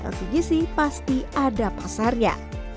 lcgc pasti ada pasarnya